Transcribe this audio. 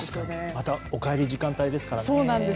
またお帰りの時間帯ですからね。